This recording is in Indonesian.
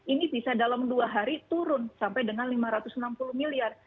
ini bisa dalam dua hari turun sampai dengan lima ratus enam puluh miliar